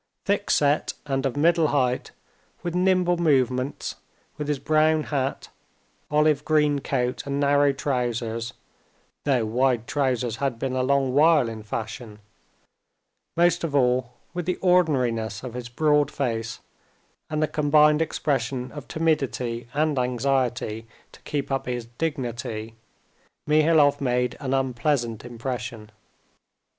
Thick set and of middle height, with nimble movements, with his brown hat, olive green coat and narrow trousers—though wide trousers had been a long while in fashion,—most of all, with the ordinariness of his broad face, and the combined expression of timidity and anxiety to keep up his dignity, Mihailov made an unpleasant impression.